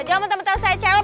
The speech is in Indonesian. jangan ntar ntar saya cewek